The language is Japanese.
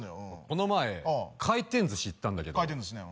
この前回転寿司行ったんだけど回転寿司ね